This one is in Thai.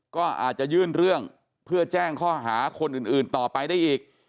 ก็อาจจะยื่นเรื่องเพื่อแจ้งข้อหาคนอื่นต่อไปได้อีก